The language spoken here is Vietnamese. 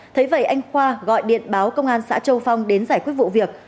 thấy vậy anh khoa gọi điện báo công an xã châu phong đến giải quyết vụ việc